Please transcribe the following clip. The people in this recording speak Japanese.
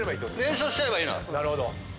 連勝しちゃえばいいの。